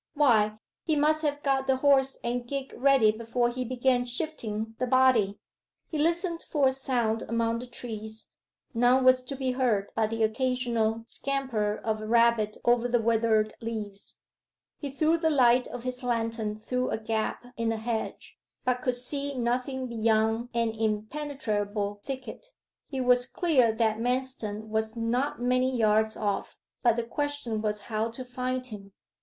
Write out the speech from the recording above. Why, he must have got the horse and gig ready before he began shifting the body.' He listened for a sound among the trees. None was to be heard but the occasional scamper of a rabbit over the withered leaves. He threw the light of his lantern through a gap in the hedge, but could see nothing beyond an impenetrable thicket. It was clear that Manston was not many yards off, but the question was how to find him.